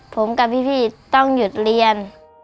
ผมกับพี่ต้องหยุดเรียน